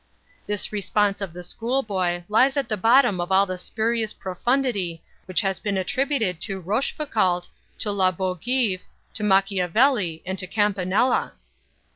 This response of the schoolboy lies at the bottom of all the spurious profundity which has been attributed to Rochefoucault, to La Bougive, to Machiavelli, and to Campanella."